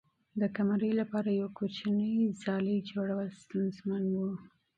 د قمرۍ لپاره د یوې کوچنۍ ځالۍ جوړول ستونزمن و.